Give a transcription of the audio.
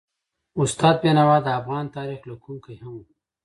استاد بینوا د افغان تاریخ لیکونکی هم و.